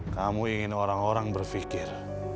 kamu ingin orang orang berpikir